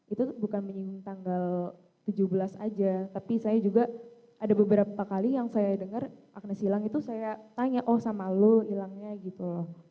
itu bukan menyinggung tanggal tujuh belas aja tapi saya juga ada beberapa kali yang saya dengar agnes hilang itu saya tanya oh sama lo hilangnya gitu loh